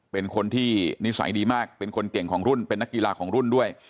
เป็นคนที่นิสัยดีมากเป็นคนเก่งของรุ่นเป็นนักกีฬาของรุ่นด้วย